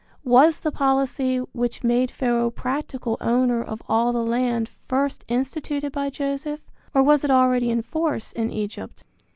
Was the policy which made Pharaoh practical owner of all the land first instituted by Joseph, or was it already in force in Egypt?